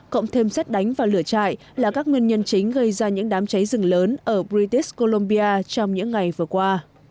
cộng thêm xét đánh và lửa chạy là các nguyên nhân chính gây ra những đám cháy dừng lớn ở british columbia trong những ngày vừa qua